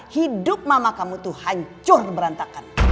hidup mama kamu itu hancur berantakan